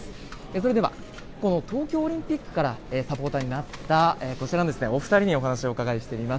それでは、東京オリンピックからサポーターになった、こちらのお２人にお話をお伺いしてみます。